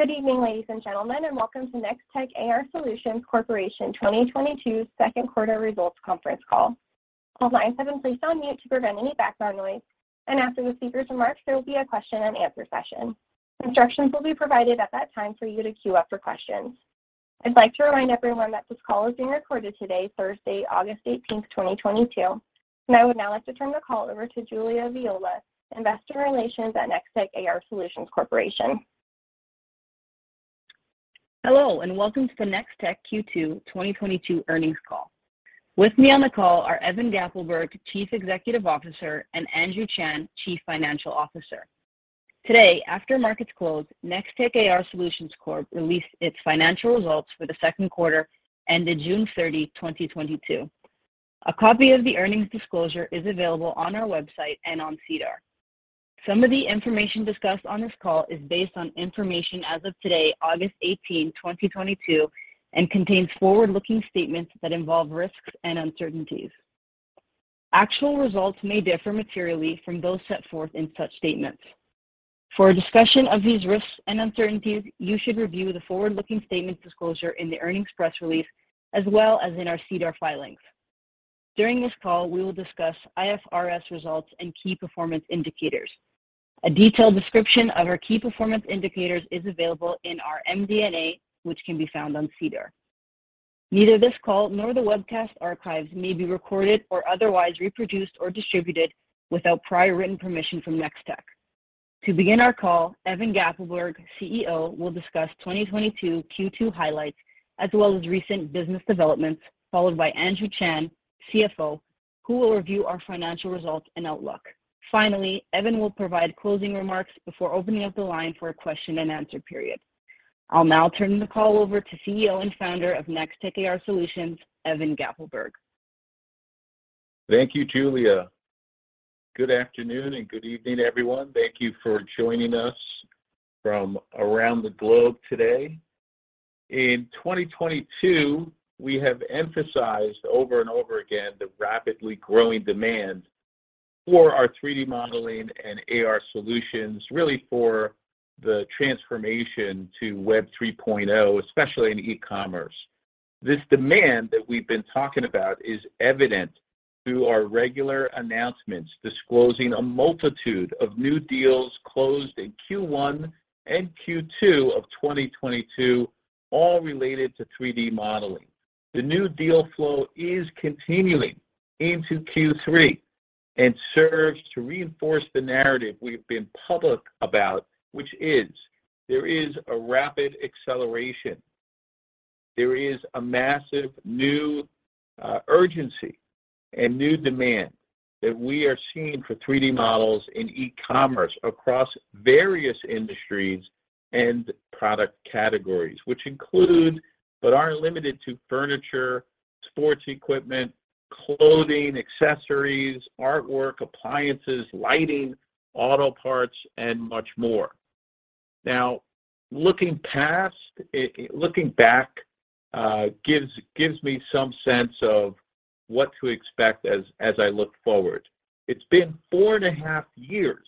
Good evening, ladies and gentlemen, and welcome to Nextech AR Solutions Corporation 2022 Q2 results Conference Call. All lines have been placed on mute to prevent any background noise, and after the speaker's remarks, there will be a question and answer session. Instructions will be provided at that time for you to queue up for questions. I'd like to remind everyone that this call is being recorded today, Thursday, August 18, 2022. I would now like to turn the call over to Julia Viola, Investor Relations at Nextech AR Solutions Corporation. Hello, and welcome to the Nextech Q2 2022 earnings call. With me on the call are Evan Gappelberg, Chief Executive Officer, and Andrew Chan, Chief Financial Officer. Today, after markets closed, Nextech AR Solutions Corp released its financial results for the Q2 ended June 30, 2022. A copy of the earnings disclosure is available on our website and on SEDAR. Some of the information discussed on this call is based on information as of today, August 18, 2022, and contains forward-looking statements that involve risks and uncertainties. Actual results may differ materially from those set forth in such statements. For a discussion of these risks and uncertainties, you should review the forward-looking statements disclosure in the earnings press release, as well as in our SEDAR filings. During this call, we will discuss IFRS results and key performance indicators. A detailed description of our key performance indicators is available in our MD&A, which can be found on SEDAR. Neither this call nor the webcast archives may be recorded or otherwise reproduced or distributed without prior written permission from Nextech. To begin our call, Evan Gappelberg, CEO, will discuss 2022 Q2 highlights as well as recent business developments, followed by Andrew Chan, CFO, who will review our financial results and outlook. Finally, Evan will provide closing remarks before opening up the line for a question and answer period. I'll now turn the call over to CEO and Founder of Nextech AR Solutions, Evan Gappelberg. Thank you, Julia. Good afternoon and good evening, everyone. Thank you for joining us from around the globe today. In 2022, we have emphasized over and over again the rapidly growing demand for our 3D modeling and AR solutions, really for the transformation to Web 3.0, especially in e-commerce. This demand that we've been talking about is evident through our regular announcements disclosing a multitude of new deals closed in Q1 and Q2 of 2022, all related to 3D modeling. The new deal-flow is continuing into Q3 and serves to reinforce the narrative we've been public about, which is there is a rapid acceleration. There is a massive new urgency and new demand that we are seeing for 3D models in e-commerce across various industries and product categories, which include but aren't limited to furniture, sports equipment, clothing, accessories, artwork, appliances, lighting, auto parts, and much more. Now, looking back gives me some sense of what to expect as I look forward. It's been four and a half-year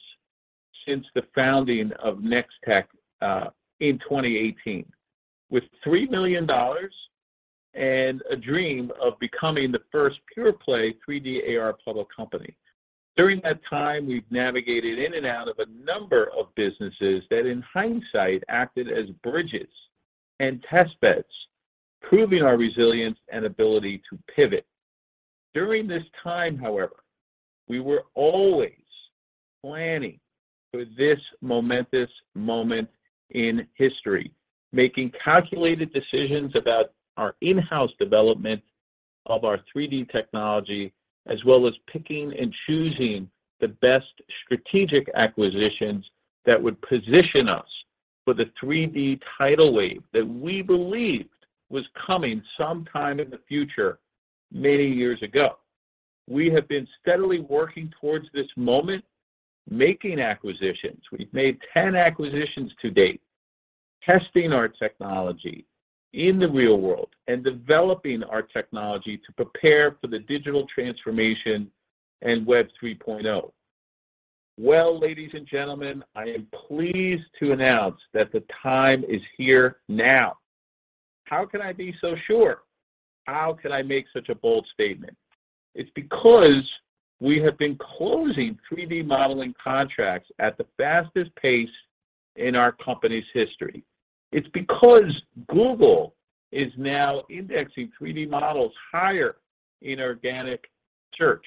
since the founding of Nextech in 2018, with 3 million dollars and a dream of becoming the first pure play 3D AR public company. During that time, we've navigated in and out of a number of businesses that, in hindsight, acted as bridges and test beds, proving our resilience and ability to pivot. During this time, however, we were always planning for this momentous moment in history, making calculated decisions about our in-house development of our 3D technology, as well as picking and choosing the best strategic acquisitions that would position us for the 3D tidal wave that we believed was coming sometime in the future many years ago. We have been steadily working towards this moment, making acquisitions. We've made 10 acquisitions to date, testing our technology in the real world and developing our technology to prepare for the digital transformation and Web 3.0. Well, ladies and gentlemen, I am pleased to announce that the time is here now. How can I be so sure? How can I make such a bold statement? It's because we have been closing 3D modeling contracts at the fastest pace in our company's history. It's because Google is now indexing 3D models higher in organic search.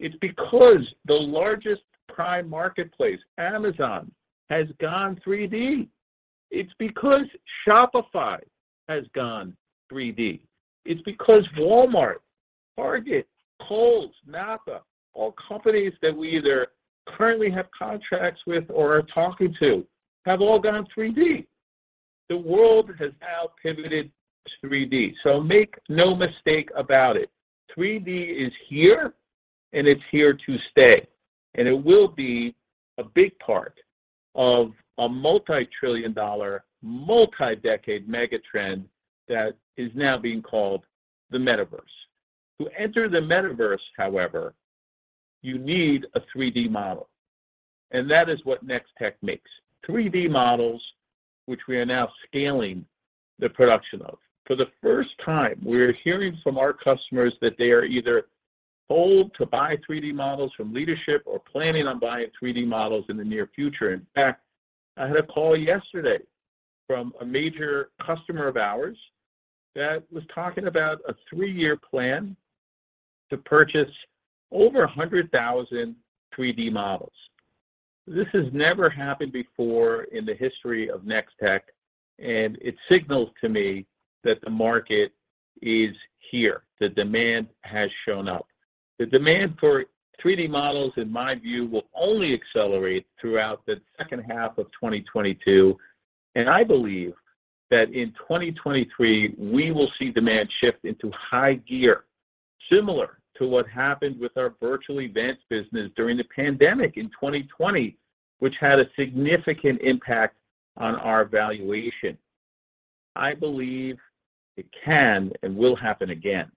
It's because the largest prime marketplace, Amazon, has gone 3D. It's because Shopify has gone 3D. It's because Walmart, Target, Kohl's, NAPA, all companies that we either currently have contracts with or are talking to, have all gone 3D. The world has now pivoted to 3D. Make no mistake about it, 3D is here, and it's here to stay, and it will be a big part of a multi-trillion dollar, multi-decade mega trend that is now being called the metaverse. To enter the metaverse, however, you need a 3D model, and that is what Nextech makes, 3D models, which we are now scaling the production of. For the first time, we're hearing from our customers that they are either told to buy 3D models from leadership or planning on buying 3D models in the near future. In fact, I had a call yesterday from a major customer of ours that was talking about a 3-year plan to purchase over 100,000 3D models. This has never happened before in the history of Nextech, and it signals to me that the market is here. The demand has shown up. The demand for 3D models, in my view, will only accelerate throughout the second half of 2022, and I believe that in 2023, we will see demand shift into high-gear, similar to what happened with our virtual events business during the pandemic in 2020, which had a significant impact on our valuation. I believe it can and will happen again.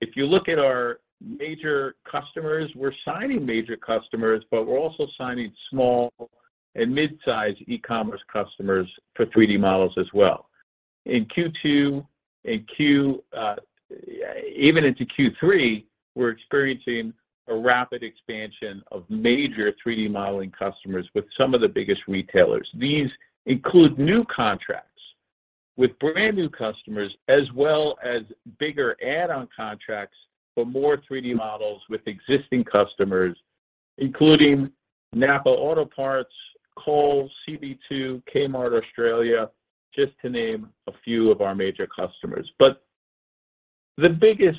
If you look at our major customers, we're signing major customers, but we're also signing small and mid-size e-commerce customers for 3D models as well. In Q2 and even into Q3, we're experiencing a rapid expansion of major 3D modeling customers with some of the biggest retailers. These include new contracts with brand-new customers, as well as bigger add-on contracts for more 3D models with existing customers, including NAPA Auto Parts, Kohl's, CB2, Kmart Australia, just to name a few of our major customers. The biggest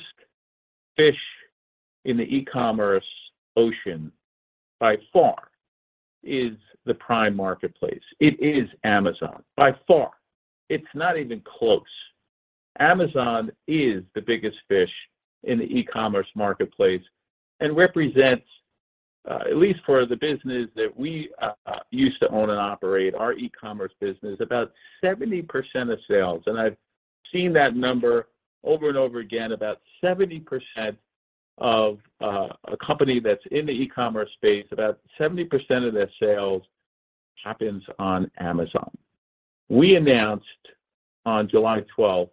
fish in the e-commerce ocean by far is the Prime marketplace. It is Amazon by far. It's not even close. Amazon is the biggest fish in the e-commerce marketplace and represents, at least for the business that we used to own and operate, our e-commerce business, about 70% of sales. I've seen that number over and over again, about 70% of a company that's in the e-commerce space, about 70% of their sales happens on Amazon. We announced on July 12th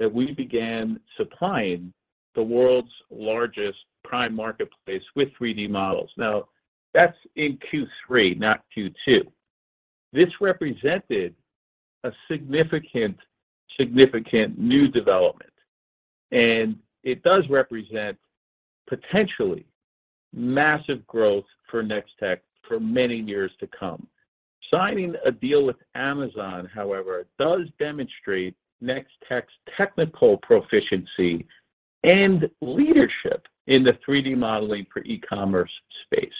that we began supplying the world's largest Prime marketplace with 3D models. Now, that's in Q3, not Q2. This represented a significant new development, and it does represent potentially massive growth for Nextech for many years to come. Signing a deal with Amazon, however, does demonstrate Nextech's technical proficiency and leadership in the 3D modeling for e-commerce space.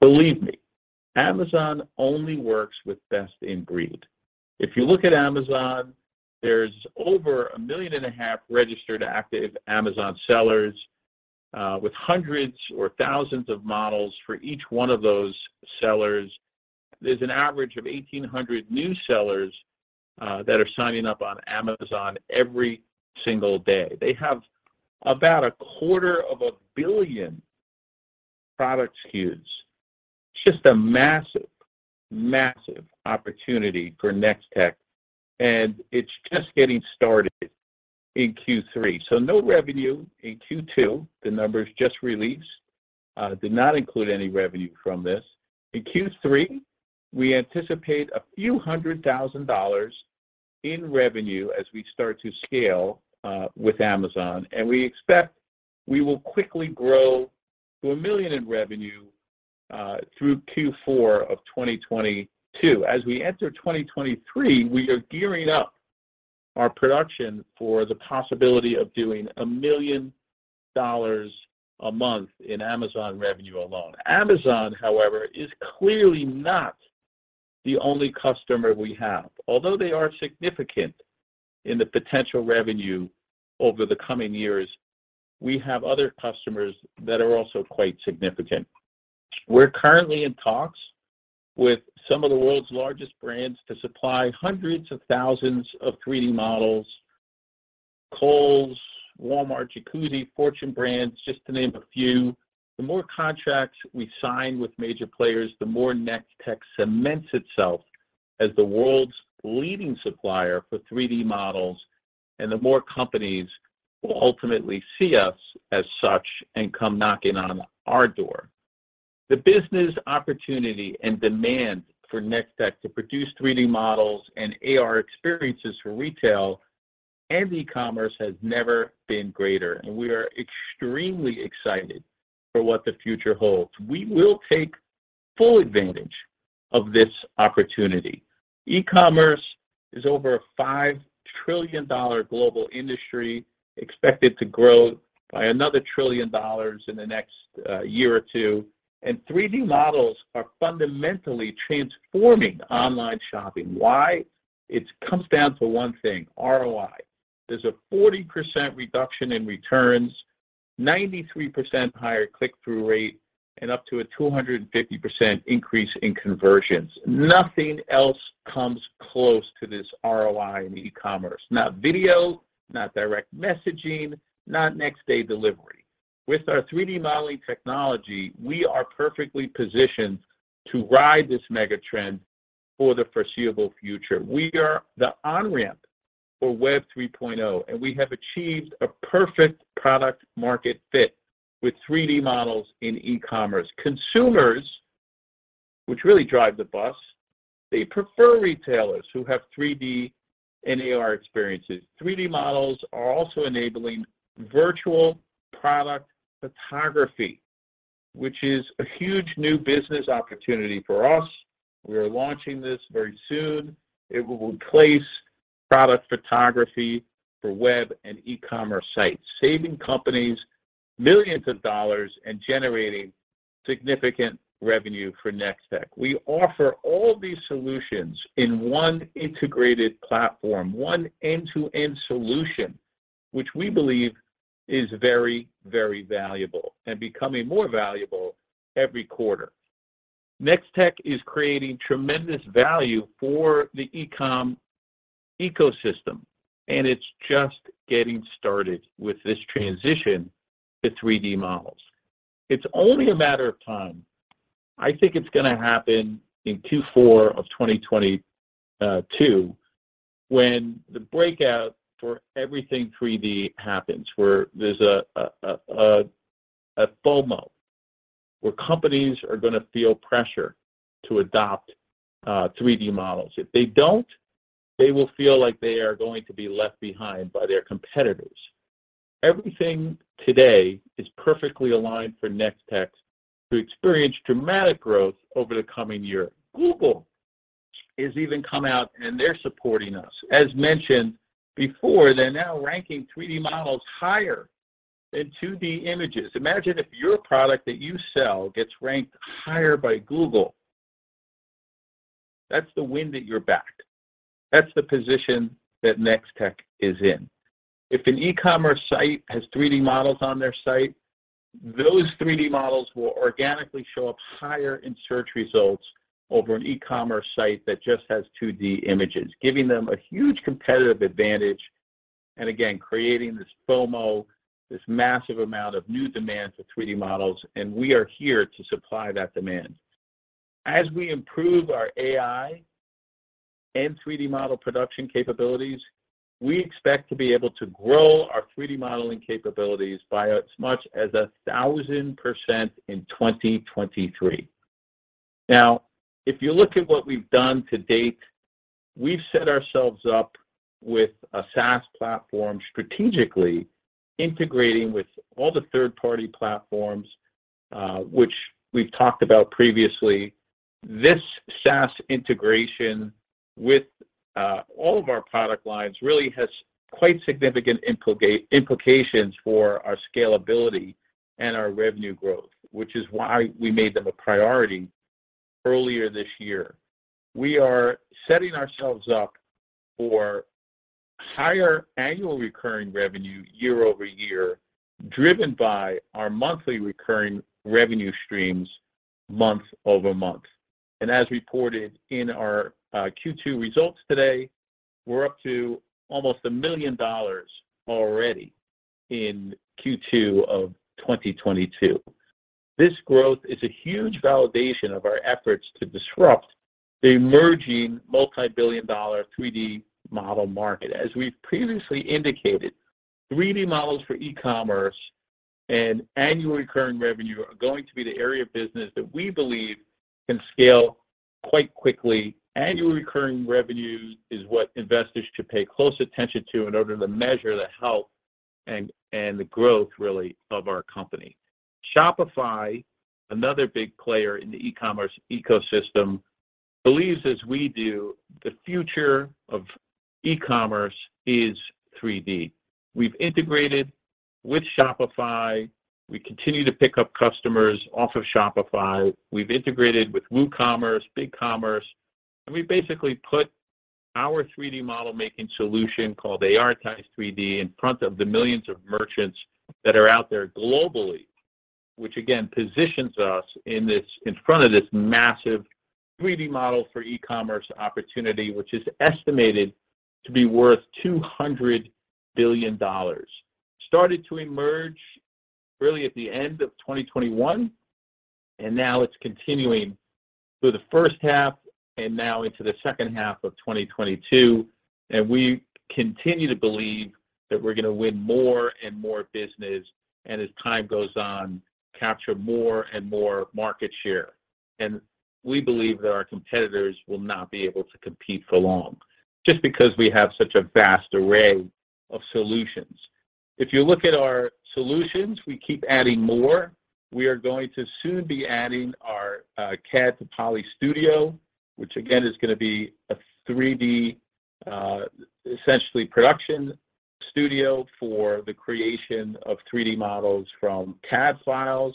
Believe me, Amazon only works with best in breed. If you look at Amazon, there's over 1.5 million registered active Amazon sellers with hundreds or thousands of models for each one of those sellers. There's an average of 1,800 new sellers that are signing up on Amazon every single day. They have about 250 million product SKUs. It's just a massive opportunity for Nextech, and it's just getting started in Q3. No revenue in Q2. The numbers just released did not include any revenue from this. In Q3, we anticipate CAD a few hundred thousand in revenue as we start to scale with Amazon, and we expect we will quickly grow to 1 million in revenue through Q4 of 2022. As we enter 2023, we are gearing up our production for the possibility of doing 1 million dollars a month in Amazon revenue alone. Amazon, however, is clearly not the only customer we have. Although they are significant in the potential revenue over the coming years, we have other customers that are also quite significant. We're currently in talks with some of the world's largest brands to supply hundreds of thousands of 3D models. Kohl's, Walmart, Jacuzzi, Fortune Brands, just to name a few. The more contracts we sign with major players, the more Nextech cements itself as the world's leading supplier for 3D models, and the more companies will ultimately see us as such and come knocking on our door. The business opportunity and demand for Nextech to produce 3D models and AR experiences for retail and e-commerce has never been greater, and we are extremely excited for what the future holds. We will take full advantage of this opportunity. E-commerce is over a $5 trillion global industry expected to grow by another $1 trillion in the next year or two, and 3D models are fundamentally transforming online shopping. Why? It comes down to one thing, ROI. There's a 40% reduction in returns, 93% higher click-through rate. Up to a 250% increase in conversions. Nothing else comes close to this ROI in e-commerce. Not video, not direct messaging, not next day delivery. With our 3D modeling technology, we are perfectly positioned to ride this mega trend for the foreseeable future. We are the on-ramp for Web 3.0, and we have achieved a perfect product market fit with 3D models in e-commerce. Consumers, which really drive the bus, they prefer retailers who have 3D and AR experiences. 3D models are also enabling virtual product photography, which is a huge new business opportunity for us. We are launching this very soon. It will replace product photography for web and e-commerce sites, saving companies millions of CAD and generating significant revenue for Nextech. We offer all these solutions in one integrated platform, one end-to-end solution, which we believe is very, very valuable and becoming more valuable every quarter. Nextech is creating tremendous value for the e-com ecosystem, and it's just getting started with this transition to 3D models. It's only a matter of time. I think it's gonna happen in Q4 of 2022, when the breakout for everything 3D happens, where there's a FOMO, where companies are gonna feel pressure to adopt 3D models. If they don't, they will feel like they are going to be left behind by their competitors. Everything today is perfectly aligned for Nextech to experience dramatic growth over the coming year. Google has even come out, and they're supporting us. As mentioned before, they're now ranking 3D models higher than 2D images. Imagine if your product that you sell gets ranked higher by Google. That's the wind at your back. That's the position that Nextech is in. If an e-commerce site has 3D models on their site, those 3D models will organically show up higher in search results over an e-commerce site that just has 2D images, giving them a huge competitive advantage, and again, creating this FOMO, this massive amount of new demand for 3D models, and we are here to supply that demand. As we improve our AI and 3D model production capabilities, we expect to be able to grow our 3D modeling capabilities by as much as 1,000% in 2023. Now, if you look at what we've done to date, we've set ourselves up with a SaaS platform strategically integrating with all the third-party platforms, which we've talked about previously. This SaaS integration with all of our product lines really has quite significant implications for our scalability and our revenue growth, which is why we made them a priority earlier this year. We are setting ourselves up for higher annual recurring revenue year-over-year, driven by our monthly recurring revenue streams month-over-month. As reported in our Q2 results today, we're up to almost 1 million dollars already in Q2 of 2022. This growth is a huge validation of our efforts to disrupt the emerging multi-billion-dollar 3D model market. As we've previously indicated, 3D models for e-commerce and annual recurring revenue are going to be the area of business that we believe can scale quite quickly. Annual recurring revenues is what investors should pay close attention to in order to measure the health and the growth really of our company. Shopify, another big player in the e-commerce ecosystem, believes as we do, the future of e-commerce is 3D. We've integrated with Shopify. We continue to pick up customers off of Shopify. We've integrated with WooCommerce, BigCommerce, and we've basically put our 3D model-making solution called ARitize 3D in front of the millions of merchants that are out there globally, which again positions us in front of this massive 3D model for e-commerce opportunity, which is estimated to be worth $200 billion. Started to emerge really at the end of 2021, and now it's continuing through the first half and now into the second half of 2022, and we continue to believe that we're gonna win more and more business, and as time goes on, capture more and more market share. We believe that our competitors will not be able to compete for long just because we have such a vast array of solutions. If you look at our solutions, we keep adding more. We are going to soon be adding our CAD-to-poly studio, which again is gonna be a 3D essentially production studio for the creation of 3D models from CAD files.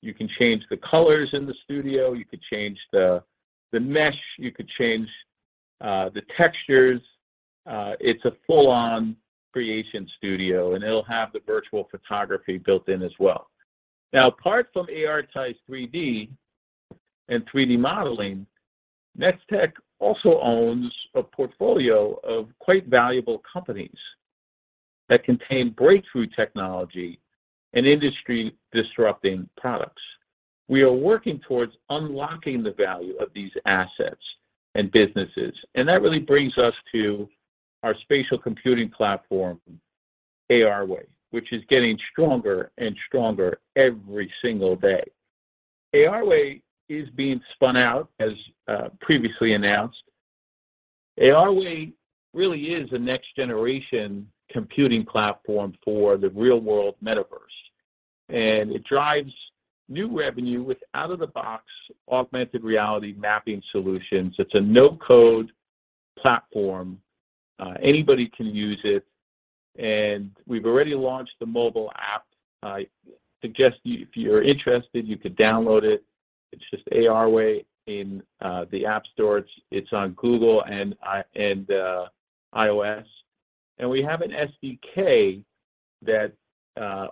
You can change the colors in the studio. You could change the mesh. You could change the textures, it's a full on creation studio, and it'll have the virtual photography built in as well. Now, apart from ARitize 3D and 3D modeling, Nextech also owns a portfolio of quite valuable companies that contain breakthrough technology and industry-disrupting products. We are working towards unlocking the value of these assets and businesses, and that really brings us to our spatial computing platform, ARWay, which is getting stronger and stronger every single day. ARWay is being spun out, as previously announced. ARWay really is a next-generation computing platform for the real-world metaverse, and it drives new revenue with out-of-the-box augmented reality mapping solutions. It's a no-code platform. Anybody can use it, and we've already launched the mobile app. I suggest if you're interested, you could download it. It's just ARWay in the app store. It's on Google and i... iOS. We have an SDK that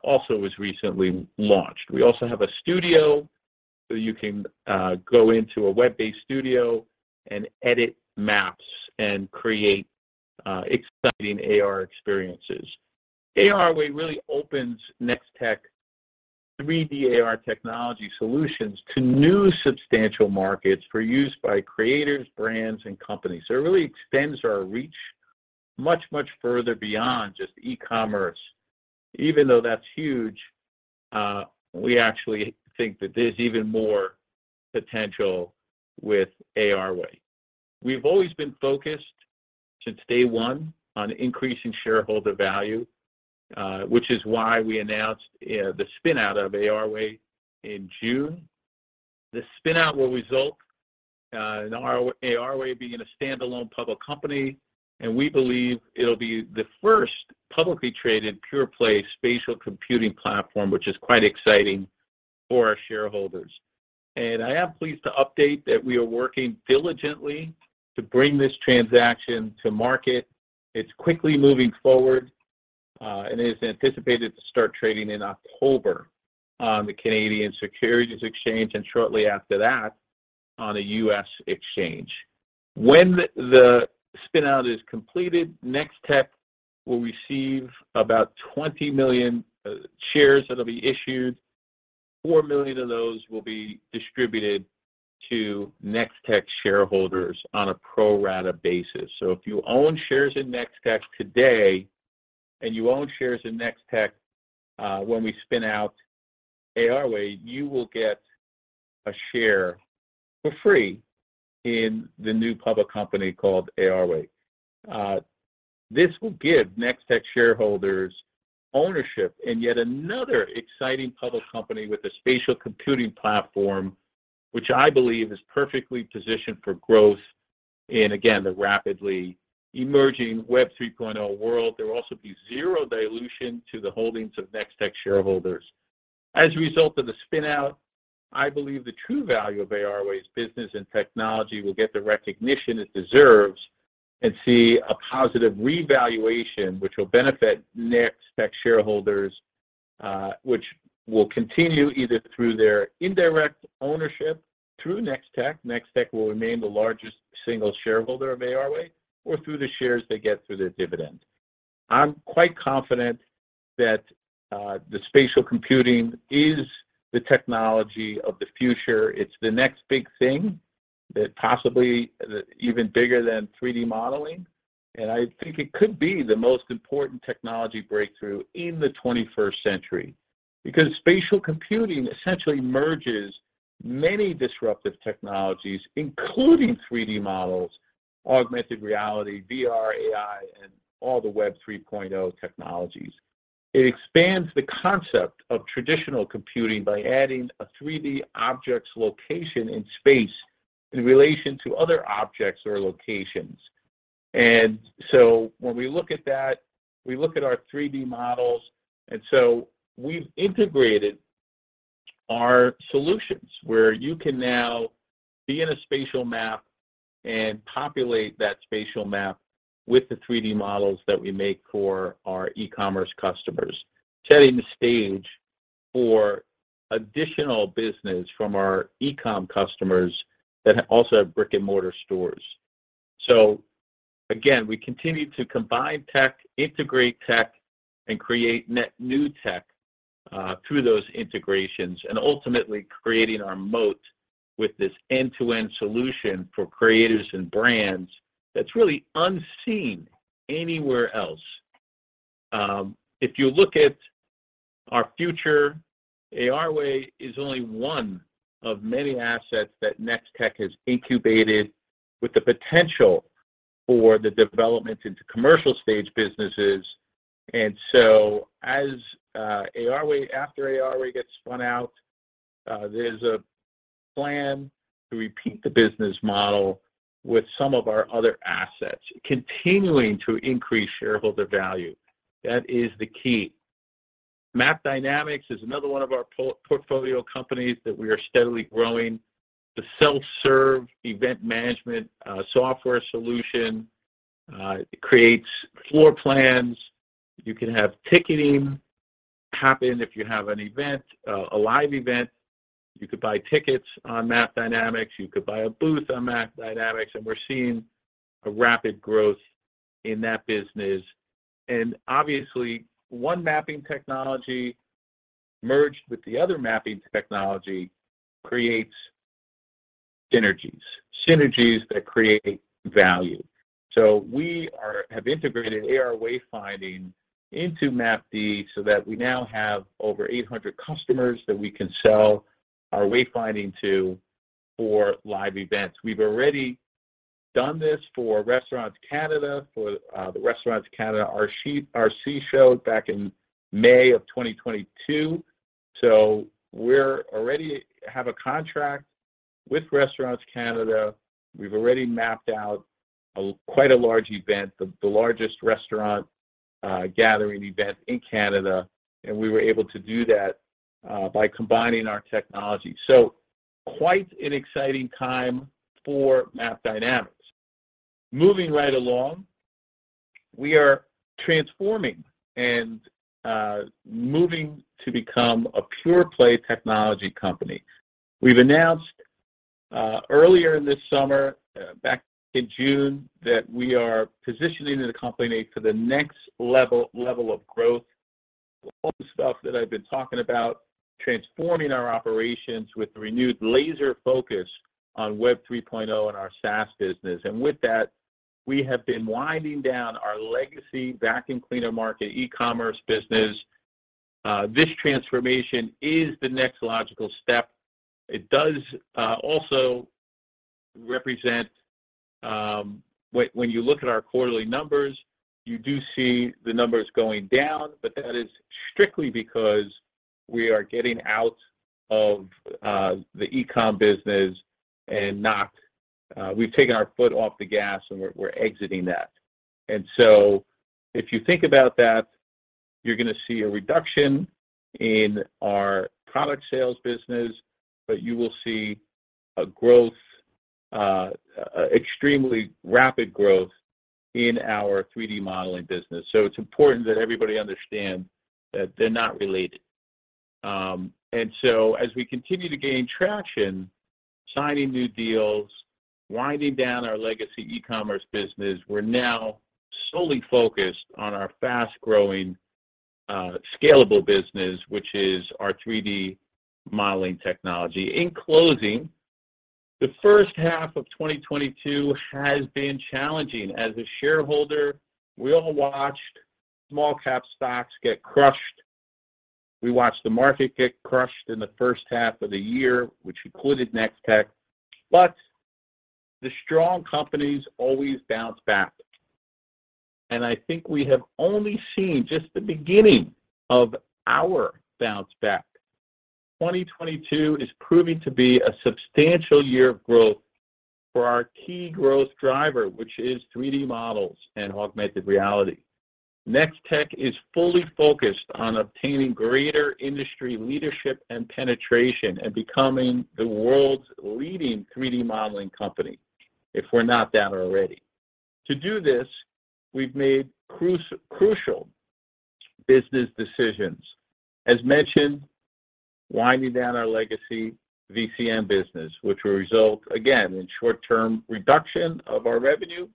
also was recently launched. We also have a studio, so you can go into a web-based studio and edit maps and create exciting AR experiences. ARway really opens Nextech 3D AR technology solutions to new substantial markets for use by creators, brands, and companies. It really extends our reach much, much further beyond just e-commerce. Even though that's huge, we actually think that there's even more potential with ARway. We've always been focused since day one on increasing shareholder value, which is why we announced the spin-out of ARway in June. The spin-out will result in ARway being a standalone public company, and we believe it'll be the first publicly traded pure-play spatial computing platform, which is quite exciting for our shareholders. I am pleased to update that we are working diligently to bring this transaction to market. It's quickly moving forward, and is anticipated to start trading in October on the Canadian Securities Exchange and shortly after that on a U.S. exchange. When the spin-out is completed, Nextech will receive about 20 million shares that will be issued. 4 million of those will be distributed to Nextech shareholders on a pro-rata basis. If you own shares in Nextech today, when we spin out ARway, you will get a share for free in the new public company called ARway. This will give Nextech shareholders ownership in yet another exciting public company with a spatial computing platform, which I believe is perfectly positioned for growth in, again, the rapidly emerging Web 3.0 world. There will also be zero dilution to the holdings of Nextech shareholders. As a result of the spin-out, I believe the true value of ARway's business and technology will get the recognition it deserves and see a positive revaluation which will benefit Nextech shareholders, which will continue either through their indirect ownership through Nextech. Nextech will remain the largest single-shareholder of ARway, or through the shares they get through their dividend. I'm quite confident that the spatial computing is the technology of the future. It's the next big thing that possibly even bigger than 3D modeling, and I think it could be the most important technology breakthrough in the twenty-first century. Because spatial computing essentially merges many disruptive technologies, including 3D models, augmented reality, VR, AI, and all the Web 3.0 technologies. It expands the concept of traditional computing by adding a 3D object's location in space in relation to other objects or locations. When we look at that, we look at our 3D models. We've integrated our solutions where you can now be in a spatial map and populate that spatial map with the 3D models that we make for our e-commerce customers, setting the stage for additional business from our e-com customers that also have brick-and-mortar stores. Again, we continue to combine tech, integrate tech, and create new tech through those integrations, and ultimately creating our moat with this end-to-end solution for creators and brands that's really unseen anywhere else. If you look at our future, ARway is only one of many assets that Nextech has incubated with the potential for the development into commercial stage businesses. As ARway gets spun out, there's a plan to repeat the business model with some of our other assets, continuing to increase shareholder value. That is the key. Map Dynamics is another one of our portfolio companies that we are steadily growing. The self-serve event management software solution, it creates floor plans. You can have ticketing happen if you have an event, a live event. You could buy tickets on Map Dynamics, you could buy a booth on Map Dynamics, and we're seeing a rapid growth in that business. Obviously, one mapping technology merged with the other mapping technology creates synergies. Synergies that create value. We have integrated AR wayfinding into MapD so that we now have over 800 customers that we can sell our wayfinding to for live events. We've already done this for Restaurants Canada, for the Restaurants Canada RC Show back in May of 2022. We're already have a contract with Restaurants Canada. We've already mapped out quite a large event, the largest restaurant gathering event in Canada, and we were able to do that by combining our technology. Quite an exciting time for Map Dynamics. Moving right along, we are transforming and moving to become a pure-play technology company. We've announced earlier this summer back in June, that we are positioning the company for the next level of growth. All the stuff that I've been talking about, transforming our operations with renewed laser focus on Web 3.0 and our SaaS business. With that, we have been winding down our legacy vacuum cleaner market, e-commerce business. This transformation is the next logical step. It does also represent. When you look at our quarterly numbers, you do see the numbers going down, but that is strictly because we are getting out of the e-com business and not we've taken our foot off the gas, and we're exiting that. If you think about that, you're gonna see a reduction in our product sales business, but you will see a growth, extremely rapid growth in our 3D modeling business. It's important that everybody understand that they're not related. As we continue to gain traction, signing new deals, winding down our legacy e-commerce business, we're now solely focused on our fast-growing, scalable business, which is our 3D modeling technology. In closing, the first half of 2022 has been challenging. As a shareholder, we all watched small cap stocks get crushed. We watched the market get crushed in the first half of the year, which included Nextech3D.AI. The strong companies always bounce back, and I think we have only seen just the beginning of our bounce back. 2022 is proving to be a substantial year of growth for our key growth driver, which is 3D models and augmented reality. Nextech3D.AI is fully focused on obtaining greater industry leadership and penetration and becoming the world's leading 3D modeling company, if we're not that already. To do this, we've made crucial business decisions. As mentioned, winding down our legacy VCM business, which will result again in short-term reduction of our revenue.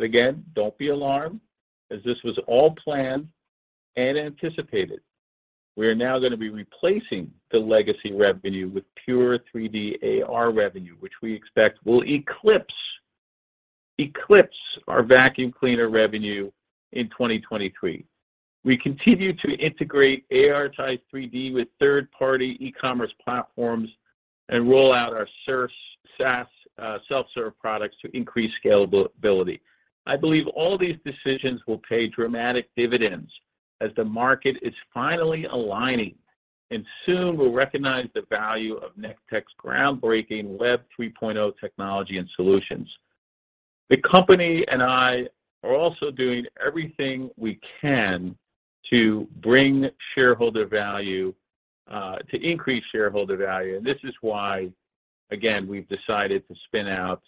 Again, don't be alarmed, as this was all planned and anticipated. We are now gonna be replacing the legacy revenue with pure 3D AR revenue, which we expect will eclipse our vacuum cleaner revenue in 2023. We continue to integrate ARitize 3D with third-party e-commerce platforms and roll out our SaaS self-serve products to increase scalability. I believe all these decisions will pay dramatic dividends as the market is finally aligning, and soon will recognize the value of Nextech's groundbreaking Web 3.0 technology and solutions. The company and I are also doing everything we can to bring shareholder value, to increase shareholder value, and this is why, again, we've decided to spin out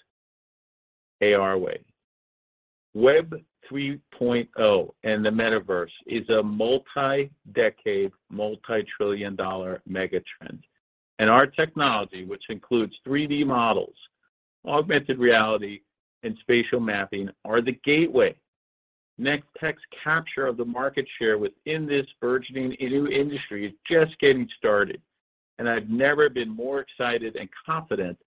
ARway. Web 3.0 and the Metaverse is a multi-decade, multi-trillion dollar mega-trend. Our technology, which includes 3D models, augmented reality, and spatial mapping, are the gateway. Nextech's capture of the market share within this burgeoning AR industry is just getting started, and I've never been more excited and confident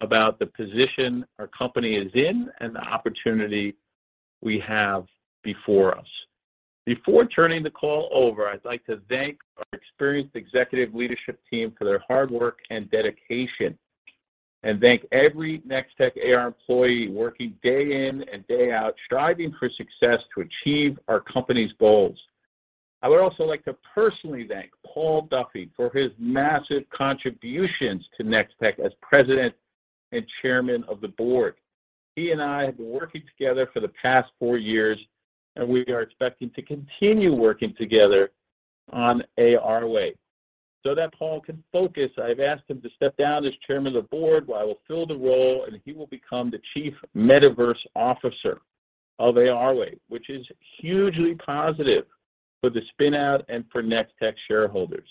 about the position our company is in and the opportunity we have before us. Before turning the call over, I'd like to thank our experienced executive leadership team for their hard work and dedication, and thank every Nextech AR employee working day in and day out, striving for success to achieve our company's goals. I would also like to personally thank Paul Duffy for his massive contributions to Nextech as President and Chairman of the Board. He and I have been working together for the past four years, and we are expecting to continue working together on ARway. That Paul can focus, I've asked him to step down as chairman of the board, while I will fill the role, and he will become the Chief Metaverse Officer of ARway, which is hugely positive for the spin-out and for Nextech shareholders.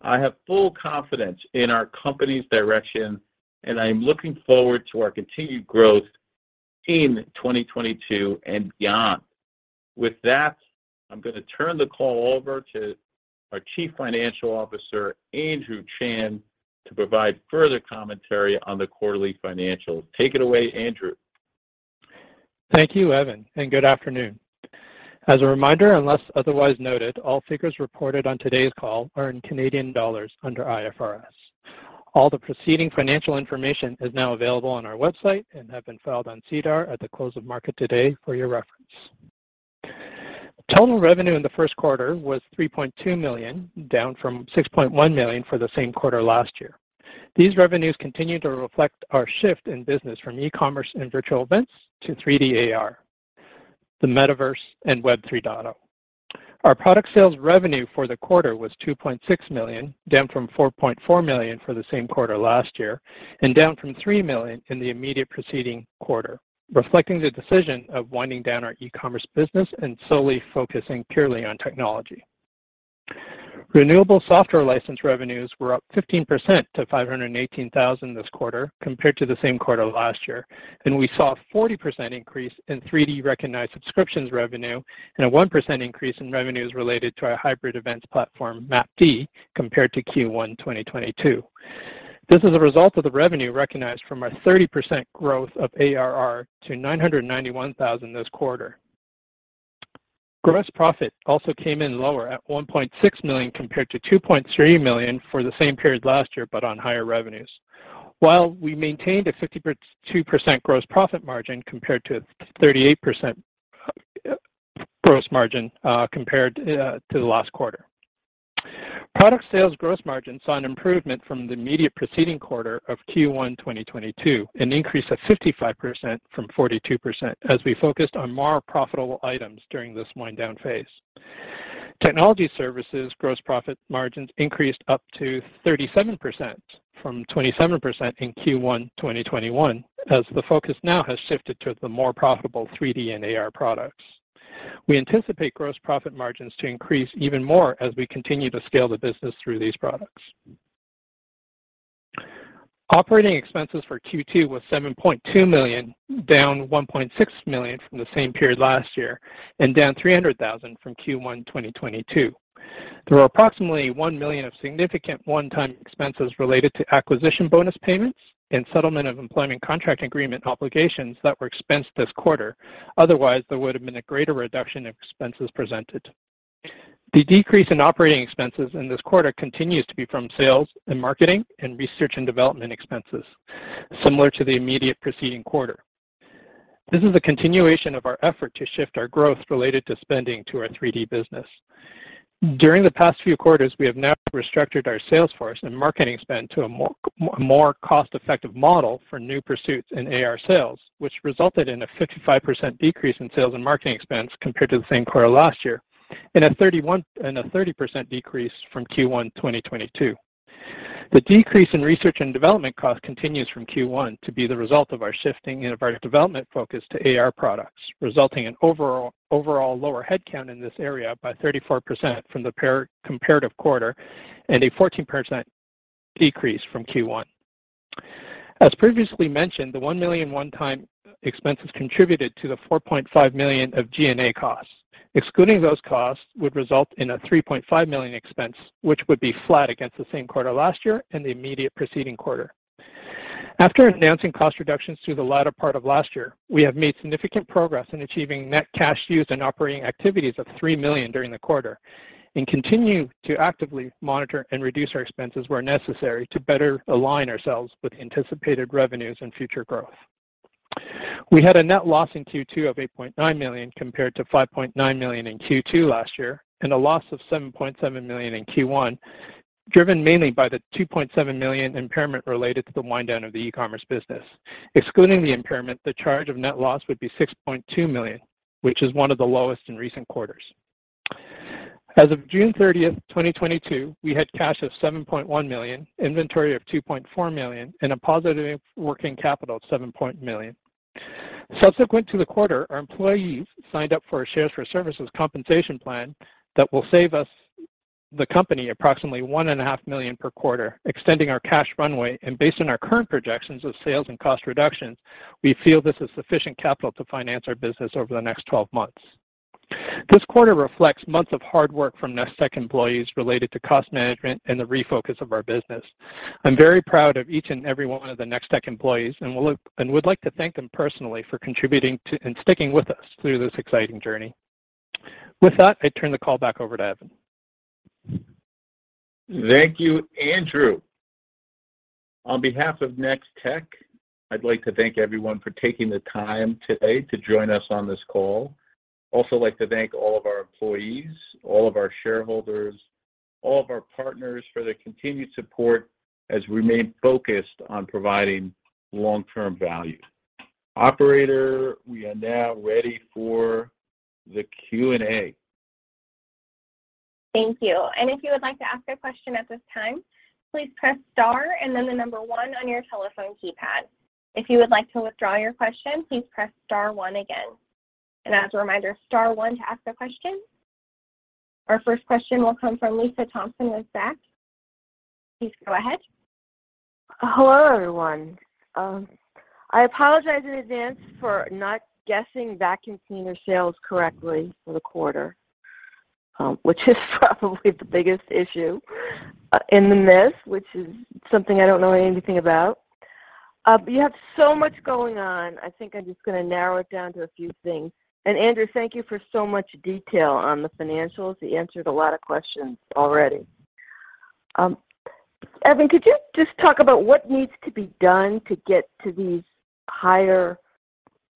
I have full confidence in our company's direction, and I am looking forward to our continued growth in 2022 and beyond. With that, I'm gonna turn the call over to our Chief Financial Officer, Andrew Chan, to provide further commentary on the quarterly financials. Take it away, Andrew. Thank you, Evan, and good afternoon. As a reminder, unless otherwise noted, all figures reported on today's call are in Canadian dollars under IFRS. All the preceding financial information is now available on our website and have been filed on SEDAR at the close of market today for your reference. Total revenue in the Q1 was 3.2 million, down from 6.1 million for the same quarter last-year. These revenues continue to reflect our shift in business from e-commerce and virtual events to 3D AR, the Metaverse and Web 3.0. Our product sales revenue for the quarter was 2.6 million, down from 4.4 million for the same quarter last-year, and down from 3 million in the immediate preceding quarter, reflecting the decision of winding down our e-commerce business and solely focusing purely on technology. Recurring software license revenues were up 15% to 518 thousand this quarter compared to the same quarter last-year, and we saw a 40% increase in 3D recognized subscriptions revenue and a 1% increase in revenues related to our hybrid events platform, MapD, compared to Q1 2022. This is a result of the revenue recognized from our 30% growth of ARR to 991 thousand this quarter. Gross profit also came in lower at 1.6 million compared to 2.3 million for the same period last-year, but on higher revenues. While we maintained a 52% gross profit margin compared to 38% gross margin compared to the last quarter. Product sales gross margin saw an improvement from the immediate preceding quarter of Q1 2022, an increase of 55% from 42% as we focused on more profitable items during this wind down phase. Technology services gross profit margins increased up to 37% from 27% in Q1 2021, as the focus now has shifted to the more profitable 3D and AR products. We anticipate gross profit margins to increase even more as we continue to scale the business through these products. Operating expenses for Q2 was 7.2 million, down 1.6 million from the same period last-year, and down 300,000 from Q1 2022. There were approximately 1 million of significant one-time expenses related to acquisition bonus payments and settlement of employment contract agreement obligations that were expensed this quarter. Otherwise, there would have been a greater reduction in expenses presented. The decrease in operating expenses in this quarter continues to be from sales and marketing and research and development expenses, similar to the immediate preceding quarter. This is a continuation of our effort to shift our growth related to spending to our 3D business. During the past few quarters, we have now restructured our sales force and marketing spend to a more cost-effective model for new pursuits in AR sales, which resulted in a 55% decrease in sales and marketing expense compared to the same quarter last-year, and a 30% decrease from Q1 2022. The decrease in research and development cost continues from Q1 to be the result of our shifting and of our development focus to AR products, resulting in overall lower headcount in this area by 34% from the comparative quarter and a 14% decrease from Q1. As previously mentioned, the 1 million one-time expenses contributed to the 4.5 million of G&A costs. Excluding those costs would result in a 3.5 million expense, which would be flat against the same quarter last-year and the immediate preceding quarter. After announcing cost reductions through the latter part of last-year, we have made significant progress in achieving net cash used in operating activities of 3 million during the quarter and continue to actively monitor and reduce our expenses where necessary to better align ourselves with anticipated revenues and future growth. We had a net loss in Q2 of 8.9 million, compared to 5.9 million in Q2 last-year, and a loss of 7.7 million in Q1, driven mainly by the 2.7 million impairment related to the wind down of the e-commerce business. Excluding the impairment, the charge of net loss would be 6.2 million, which is one of the lowest in recent quarters. As of June 30, 2022, we had cash of 7.1 million, inventory of 2.4 million, and a positive working capital of 7.1 million. Subsequent to the quarter, our employees signed up for a shares for services compensation plan that will save us, the company, approximately 1.5 million per quarter, extending our cash runway. Based on our current projections of sales and cost reductions, we feel this is sufficient capital to finance our business over the next 12 months. This quarter reflects months of hard work from Nextech employees related to cost management and the refocus of our business. I'm very proud of each and every one of the Nextech employees and would like to thank them personally for contributing to and sticking with us through this exciting journey. With that, I turn the call back over to Evan. Thank you, Andrew. On behalf of Nextech, I'd like to thank everyone for taking the time today to join us on this call. Also like to thank all of our employees, all of our shareholders, all of our partners for their continued support as we remain focused on providing long-term value. Operator, we are now ready for the Q&A. Thank you. If you would like to ask a question at this time, please press star and then the number one on your telephone keypad. If you would like to withdraw your question, please press star one again. As a reminder, star one to ask a question. Our first question will come from Lisa Thompson with Zacks. Please go ahead. Hello, everyone. I apologize in advance for not guessing vacuum cleaner sales correctly for the quarter, which is probably the biggest issue in the mess, which is something I don't know anything about. You have so much going on, I think I'm just going to narrow it down to a few things. Andrew, thank you for so much detail on the financials. He answered a lot of questions already. Evan, could you just talk about what needs to be done to get to these higher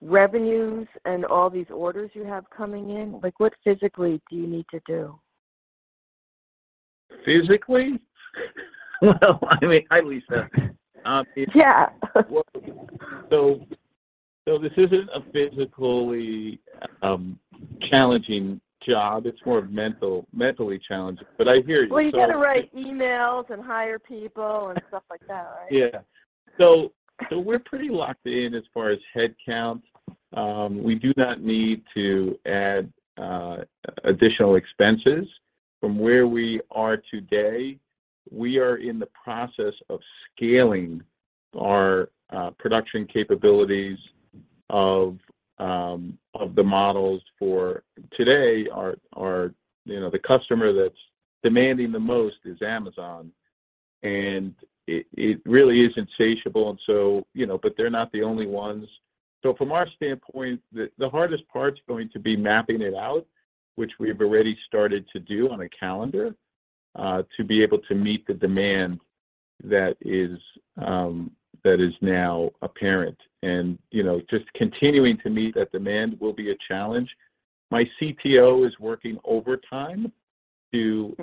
revenues and all these orders you have coming in? Like, what physically do you need to do? Physically? Well, I mean, hi, Lisa. Yeah. This isn't a physically challenging job. It's more mentally challenging. I hear you. Well, you got to write emails and hire people and stuff like that, right? We're pretty locked in as far as headcount. We do not need to add additional expenses from where we are today. We are in the process of scaling our production capabilities of the models for today are you know the customer that's demanding the most is Amazon, and it really is insatiable. You know, but they're not the only ones. From our standpoint, the hardest part is going to be mapping it out, which we've already started to do on a calendar to be able to meet the demand that is now apparent. You know, just continuing to meet that demand will be a challenge. My CTO is working overtime to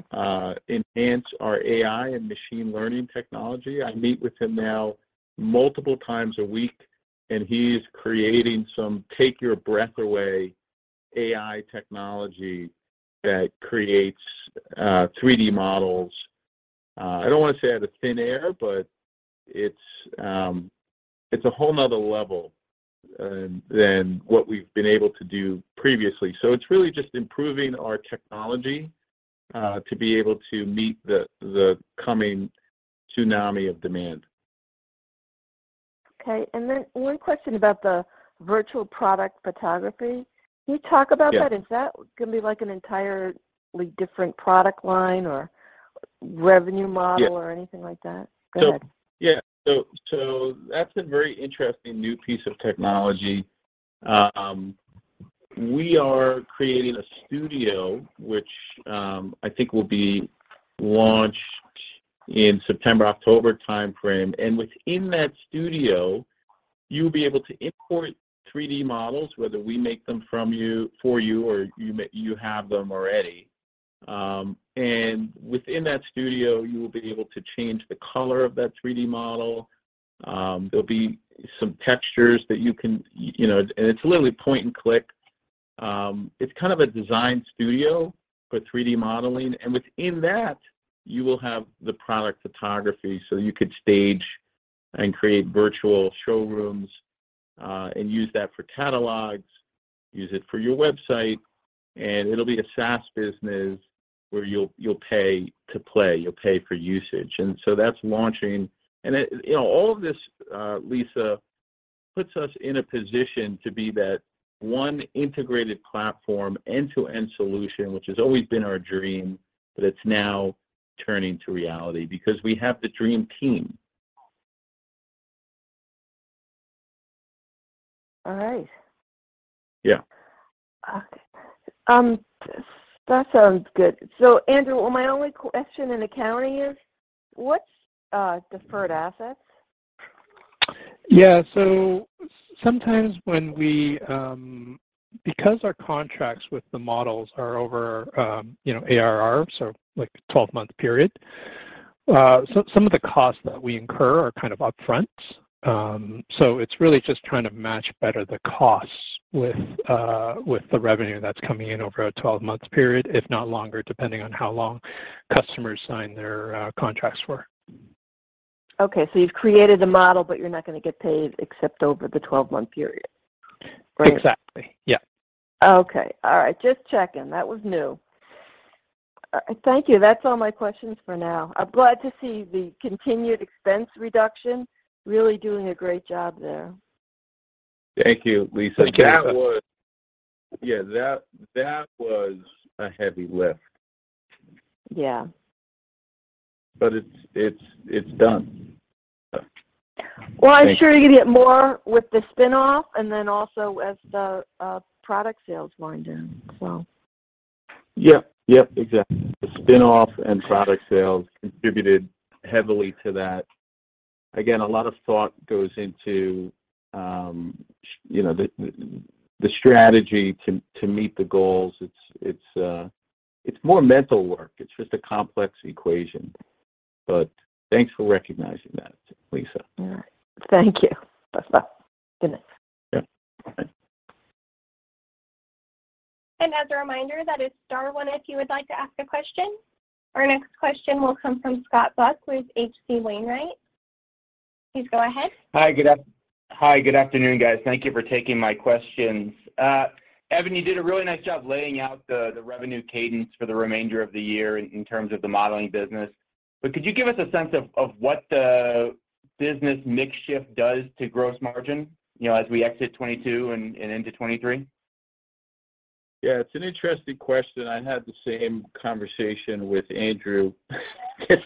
enhance our AI and machine learning technology. I meet with him now multiple times a week, and he's creating some take-your-breath-away AI technology that creates 3D models. I don't want to say out of thin air, but it's a whole another level than what we've been able to do previously. It's really just improving our technology to be able to meet the coming tsunami of demand. Okay. One question about the virtual product photography. Can you talk about that? Yeah. Is that going to be like an entirely different product line or revenue model? Yeah anything like that? Go ahead. That's a very interesting new piece of technology. We are creating a studio, which I think will be launched in September-October time frame. Within that studio, you'll be able to import 3D models, whether we make them for you or you have them already. Within that studio, you will be able to change the color of that 3D model. There'll be some textures that you can, you know. It's literally point and click. It's kind of a design studio for 3D modeling. Within that, you will have the product photography, so you could stage and create virtual showrooms, and use that for catalogs, use it for your website, and it'll be a SaaS business where you'll pay to play, you'll pay for usage. That's launching. It, you know, all of this, Lisa, puts us in a position to be that one integrated platform end-to-end solution, which has always been our dream, but it's now turning to reality because we have the dream team. All right. Yeah. Okay. That sounds good. Andrew, my only question in accounting is, what's deferred assets? Yeah. Sometimes when we, because our contracts with the models are over, you know, ARR, so like 12-month period, so some of the costs that we incur are kind of upfront. It's really just trying to match better the costs with the revenue that's coming in over a 12-month period, if not longer, depending on how long customers sign their contracts for. Okay. You've created the model, but you're not going to get paid except over the 12-month period. Great. Exactly. Yeah. Okay. All right. Just checking. That was new. Thank you. That's all my questions for now. I'm glad to see the continued expense reduction. Really doing a great job there. Thank you, Lisa. Yeah, that was a heavy lift. Yeah. It's done. Well, I'm sure you get more with the spin-off and then also as the product sales wind down. Yep. Yep, exactly. The spin-off and product sales contributed heavily to that. Again, a lot of thought goes into, you know, the strategy to meet the goals. It's more mental work. It's just a complex equation. But thanks for recognizing that, Lisa. All right. Thank you. Bye-bye. Good night. Yeah. Bye. As a reminder, that is star one if you would like to ask a question. Our next question will come from Scott Buck with H.C. Wainwright & Co. Please go ahead. Hi. Good afternoon, guys. Thank you for taking my questions. Evan, you did a really nice job laying out the revenue cadence for the remainder of the year in terms of the modeling business. Could you give us a sense of what the business mix shift does to gross margin, you know, as we exit 2022 and into 2023? Yeah, it's an interesting question. I had the same conversation with Andrew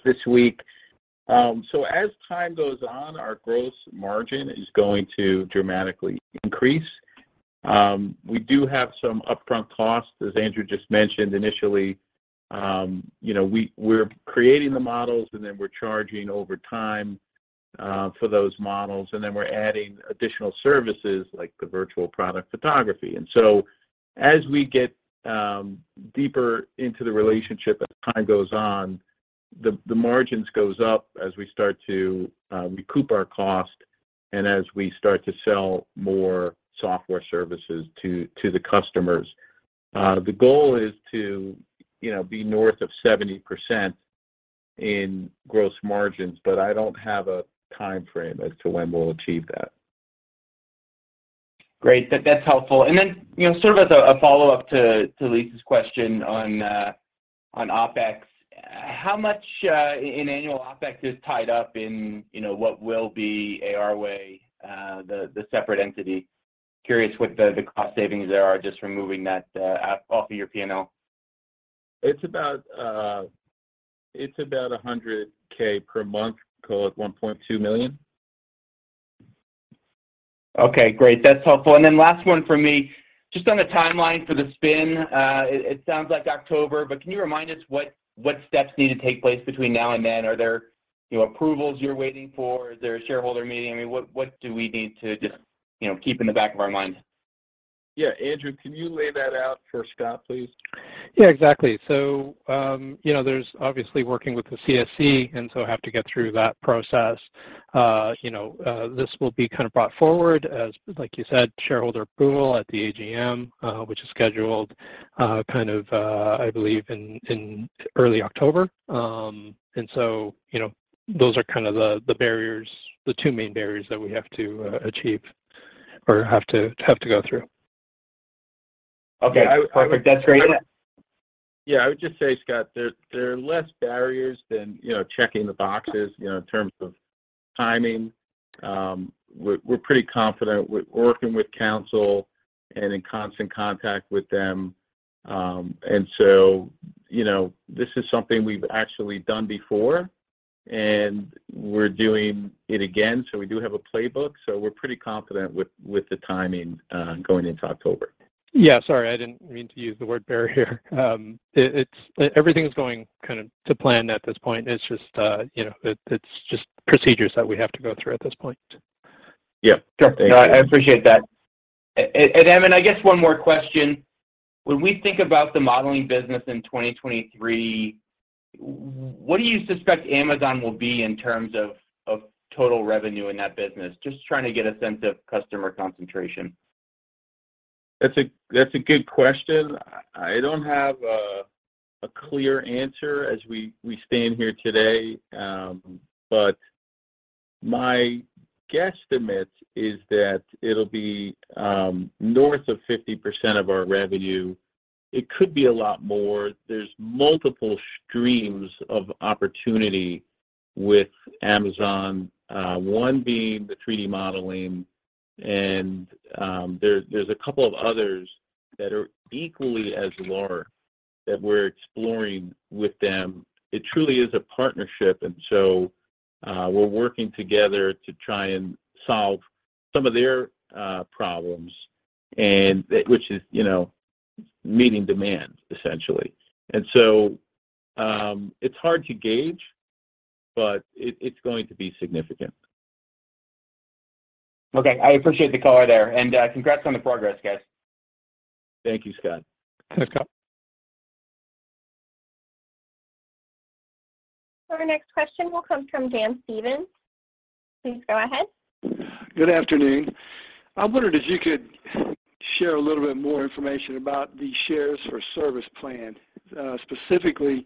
this week. As time goes on, our gross margin is going to dramatically increase. We do have some upfront costs, as Andrew just mentioned. Initially, you know, we're creating the models, and then we're charging over time for those models, and then we're adding additional services like the virtual product photography. As we get deeper into the relationship, as time goes on, the margins goes up as we start to recoup our cost and as we start to sell more software services to the customers. The goal is to, you know, be north of 70% in gross margins, but I don't have a timeframe as to when we'll achieve that. Great. That's helpful. Then, you know, sort of as a follow-up to Lisa's question on OpEx, how much in annual OpEx is tied up in, you know, what will be ARway, the separate entity? Curious what the cost savings are just removing that app off of your P&L. It's about 100,000 per month, call it 1.2 million. Okay, great. That's helpful. Last one from me. Just on the timeline for the spin, it sounds like October, but can you remind us what steps need to take place between now and then? Are there, you know, approvals you're waiting for? Is there a shareholder meeting? I mean, what do we need to just, you know, keep in the back of our minds? Yeah. Andrew, can you lay that out for Scott, please? Yeah, exactly. You know, there's obviously working with the CSE, and so have to get through that process. You know, this will be kind of brought forward as, like you said, shareholder approval at the AGM, which is scheduled kind of I believe in early October. You know, those are kind of the barriers, the two main barriers that we have to achieve or have to go through. Okay. That's great. Yeah. I would just say, Scott, there are less barriers than, you know, checking the boxes, you know, in terms of timing. We're pretty confident. We're working with council and in constant contact with them. You know, this is something we've actually done before, and we're doing it again, so we do have a playbook, so we're pretty confident with the timing going into October. Yeah. Sorry, I didn't mean to use the word barrier. Everything's going kind of to plan at this point. It's just, you know, it's just procedures that we have to go through at this point. Yeah. Thank you. Sure. No, I appreciate that. Evan, I guess one more question. When we think about the modeling business in 2023, what do you suspect Amazon will be in terms of total revenue in that business? Just trying to get a sense of customer concentration. That's a good question. I don't have a clear answer as we stand here today, but my guesstimate is that it'll be north of 50% of our revenue. It could be a lot more. There's multiple streams of opportunity with Amazon, one being the 3D modeling, and there's a couple of others that are equally as large that we're exploring with them. It truly is a partnership. We're working together to try and solve some of their problems, which is, you know, meeting demand, essentially. It's hard to gauge, but it's going to be significant. Okay. I appreciate the color there. Congrats on the progress, guys. Thank you, Scott. Thanks, Scott. Our next question will come from Dan Stevens. Please go ahead. Good afternoon. I wondered if you could share a little bit more information about the shares for service plan. Specifically,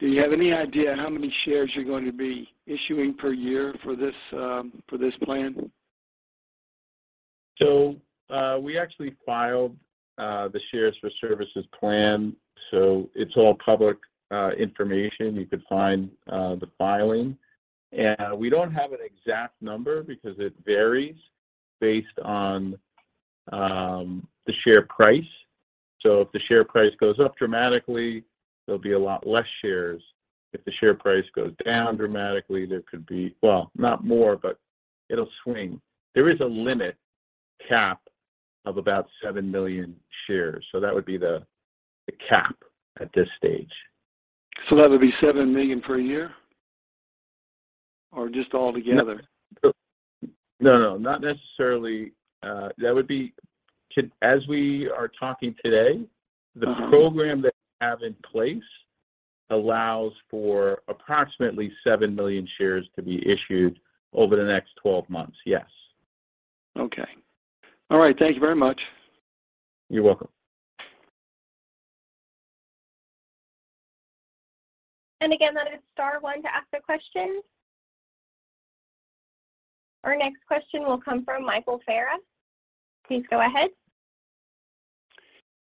do you have any idea how many shares you're going to be issuing per year for this plan? We actually filed the shares for services plan, so it's all public information. You could find the filing. We don't have an exact number because it varies based on the share price. If the share price goes up dramatically, there'll be a lot less shares. If the share price goes down dramatically, there could be. Well, not more, but it'll swing. There is a limit cap of about 7 million shares. That would be the cap at this stage. That would be 7 million per year or just all together? No. No, not necessarily. That would be as we are talking today, the program that we have in place allows for approximately 7 million shares to be issued over the next 12 months, yes. Okay. All right, thank you very much. You're welcome. Again, that is star one to ask a question. Our next question will come from Michael Farah. Please go ahead.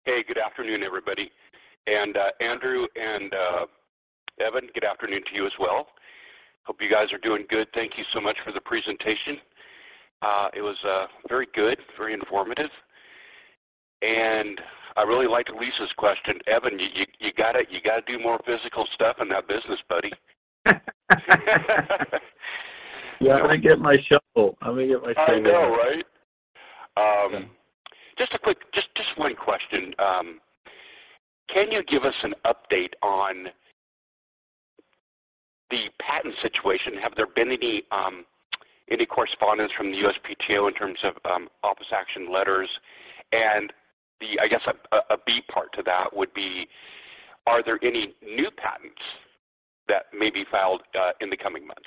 Hey, good afternoon, everybody. Andrew and Evan, good afternoon to you as well. Hope you guys are doing good. Thank you so much for the presentation. It was very good, very informative. I really liked Lisa's question. Evan, you gotta do more physical stuff in that business, buddy. Yeah, I'm gonna get my shovel. I'm gonna get my sandbag. I know, right? Just a quick, just one question. Can you give us an update on the patent situation? Have there been any correspondence from the USPTO in terms of office action letters? The, I guess a B part to that would be, are there any new patents that may be filed in the coming months?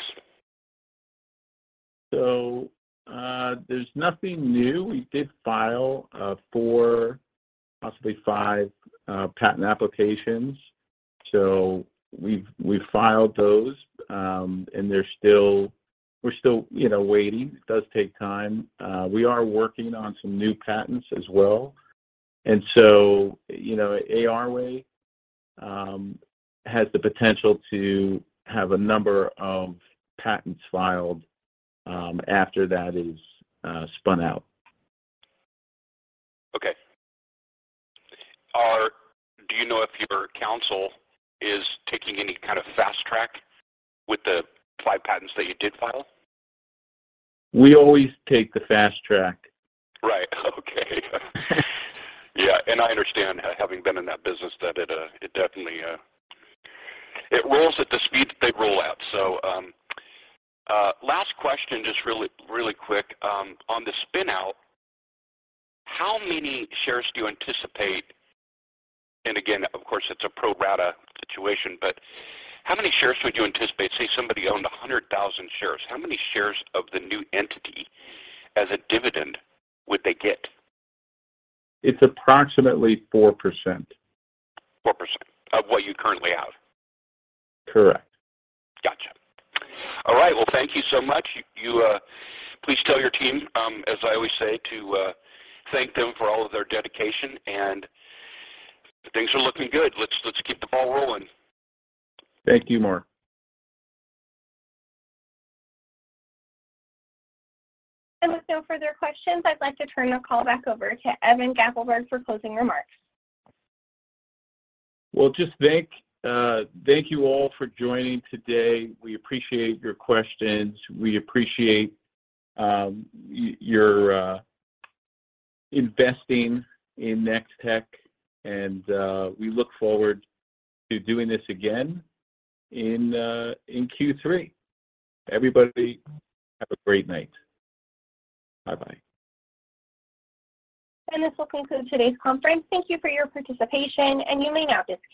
There's nothing new. We did file 4, possibly 5, patent applications. We've filed those, and we're still, you know, waiting. It does take time. We are working on some new patents as well. You know, ARway has the potential to have a number of patents filed after that is spun out. Okay. Do you know if your counsel is taking any kind of fast track with the 5 patents that you did file? We always take the fast track. Right. Okay. Yeah. I understand having been in that business that it definitely rolls at the speed that they roll out. Last question, just really, really quick. On the spin-out, how many shares do you anticipate? Again, of course, it's a pro rata situation, but how many shares would you anticipate? Say, somebody owned 100,000 shares, how many shares of the new entity as a dividend would they get? It's approximately 4%. 4% of what you currently have? Correct. Gotcha. All right. Well, thank you so much. You please tell your team, as I always say, to thank them for all of their dedication, and things are looking good. Let's keep the ball rolling. Thank you, Mark. With no further questions, I'd like to turn the call back over to Evan Gappelberg for closing remarks. Well, just thank you all for joining today. We appreciate your questions. We appreciate your investing in Nextech3D.AI, and we look forward to doing this again in Q3. Everybody, have a great night. Bye-bye. This will conclude today's conference. Thank you for your participation, and you may now disconnect.